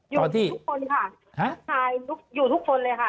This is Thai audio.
อยู่ทุกคนค่ะลูกชายอยู่ทุกคนเลยค่ะ